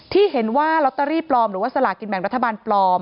ที่เห็นว่าลอตเตอรี่ปลอมหรือว่าสลากินแบ่งรัฐบาลปลอม